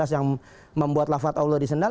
yang membuat lafad allah disendal